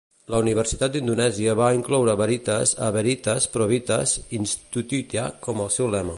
La Universitat d'Indonèsia va incloure veritas a "Veritas, Probitas, Iustitia" com el seu lema.